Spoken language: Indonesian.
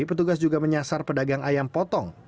petugas juga menyasar pedagang ayam potong